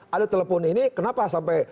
ada telepon ini kenapa sampai